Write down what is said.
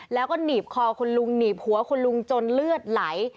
แล้วก็หนีบคอคุณลุงหนีบหัวคุณลุงจนเลือดไหล